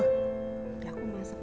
udah aku masak nasi panik kamu dulu